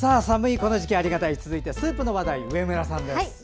寒いこの時期ありがたい続いてはスープの話題上村さんです。